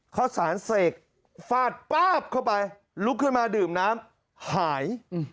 ข้าวสารเสกฟาดป๊าบเข้าไปลุกขึ้นมาดื่มน้ำหาย